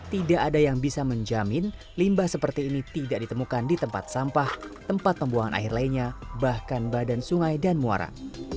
tidak ada yang bisa menjamin limbah seperti ini tidak ditemukan di tempat sampah tempat pembuangan air lainnya bahkan badan sungai dan muara